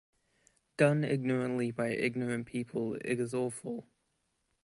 Done ignorantly by ignorant people, it is awful.